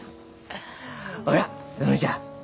ほら園ちゃん。